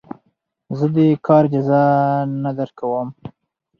زه دې کار اجازه نه درکوم.